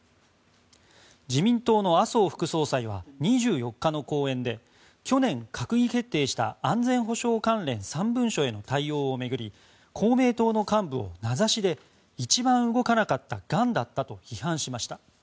自民党の麻生副総裁は２４日の講演で去年、閣議決定した安全保障関連３文書への対応を巡り公明党の幹部を名指しで一番動かなかったがんだったと批判しました。